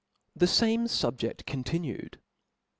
^he fame SubjeSi continued.